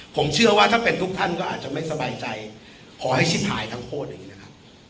ผมเชื่อว่าถ้าเป็นทุกท่านก็อาจจะไม่สบายใจขอให้ชิบหายทั้งโคตรอย่างนี้นะครับ